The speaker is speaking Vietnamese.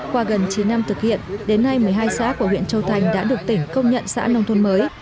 qua gần chín năm thực hiện đến nay một mươi hai xã của huyện châu thành đã được tỉnh công nhận xã nông thôn mới